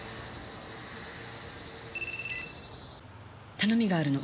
頼みがあるの。